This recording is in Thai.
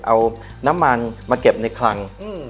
เอาน้ำมันมาเก็บในคลัง